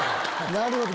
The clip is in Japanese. なるほど！